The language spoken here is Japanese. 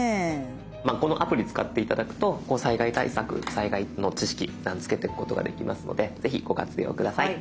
まあこのアプリ使って頂くと災害対策災害の知識つけてくことができますのでぜひご活用下さい。